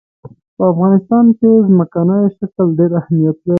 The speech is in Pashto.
په افغانستان کې ځمکنی شکل ډېر اهمیت لري.